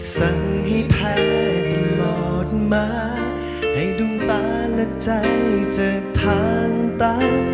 สั่งให้แพ้ตลอดมาให้ดวงตาและใจจากทางตัน